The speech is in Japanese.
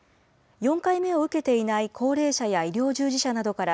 ４回目を受けていない高齢者や医療従事者などから